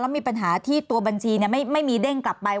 มีปัญหาที่ตัวบัญชีไม่มีเด้งกลับไป